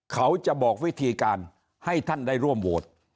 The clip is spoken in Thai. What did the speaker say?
เขาจะบอกวิธีการให้ท่านได้ร่วมโหวต